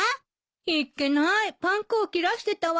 いっけないパン粉を切らしてたわ。